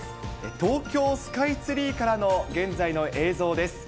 東京スカイツリーからの現在の映像です。